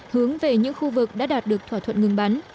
hướng về những khu vực đã đạt được thỏa thuận ngừng bắn